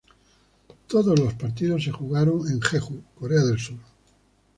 Todos los partidos se jugaron en Jeju, Corea del Sur.